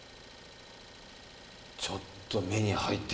ちょっと目に入ってきました。